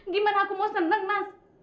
gimana aku mau seneng mas